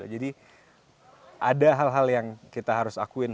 jadi ada hal hal yang kita harus akuin